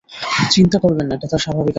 চিন্তা করবেন না, এটা তাঁর স্বাভাবিক আচরণ।